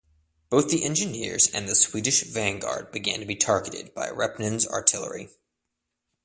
Both the engineers and the Swedish vanguard began to be targeted by Repnin's artillery.